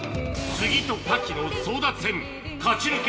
杉とカキの争奪戦勝ち抜け